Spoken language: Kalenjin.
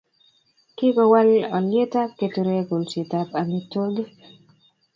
Kikowal olyetab keturek kolsetab amitwogik